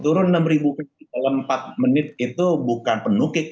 turun enam ribu dalam empat menit itu bukan penukik